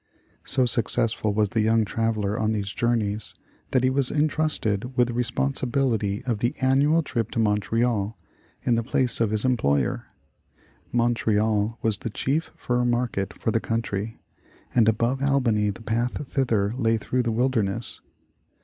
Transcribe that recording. So successful was the young traveler on these jour neys, that he was intrusted with the responsibility of the annual trip to Montreal, in the place of his em ployer. Montreal was the chief fur market of the coun try, and above Albany the path thither lay through the wilderness.